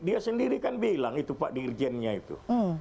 dia sendiri kan bilang itu pak dirjennya itu